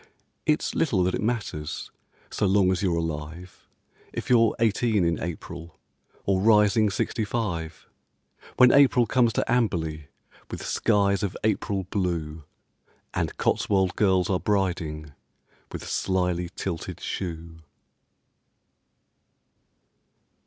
It's little that it matters, So long as you're alive, If you're eighteen in April, Or rising sixty five, When April comes to Amberley With skies of April blue, And Cotswold girls are briding With slyly tilted shoe.